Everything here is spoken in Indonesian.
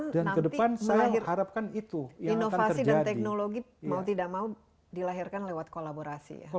dan kedepan nanti inovasi dan teknologi mau tidak mau dilahirkan lewat kolaborasi ya